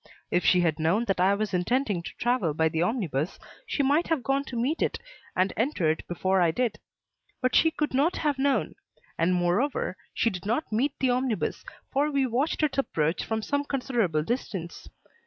If she had known that I was intending to travel by the omnibus she might have gone to meet it and entered before I did. But she could not have known: and moreover she did not meet the omnibus, for we watched its approach from some considerable distance.